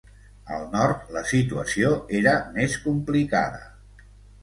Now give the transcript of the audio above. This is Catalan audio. Al nord, la situació era més complicada.